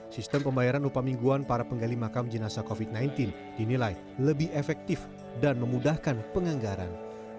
sistem pembayaran upah mingguan para penggali makam jenazah covid sembilan belas dinilai lebih efektif dan memudahkan penganggaran